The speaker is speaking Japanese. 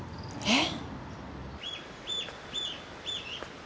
えっ？